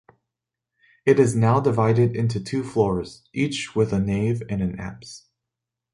It is now divided into two floors, each with a nave and an apse.